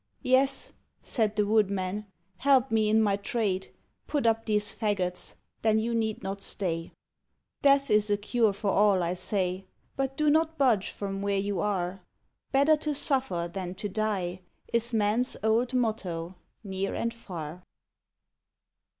"Yes," said the Woodman, "help me in my trade. Put up these faggots then you need not stay." Death is a cure for all, say I, But do not budge from where you are; Better to suffer than to die, Is man's old motto, near and far.